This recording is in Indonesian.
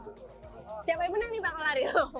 siapa yang pernah nih pak kalau lari lo